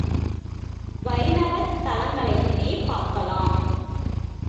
வைணவத் தலங்களையுமே பார்க்கலாம்.